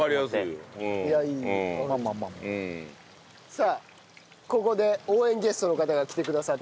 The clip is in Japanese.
さあここで応援ゲストの方が来てくださっています。